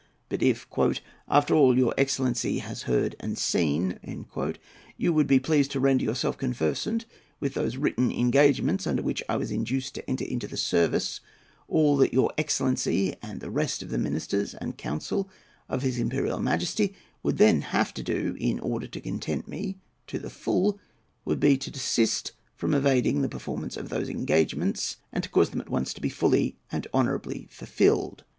But if, "after all that your excellency has heard and seen," you would be pleased to render yourself conversant with those written engagements under which I was induced to enter into the service, all that your excellency and the rest of the ministers and council of his Imperial Majesty would then have to do in order to content me to the full, would be to desist from evading the performance of those engagements, and to cause them at once to be fully and honourably fulfilled.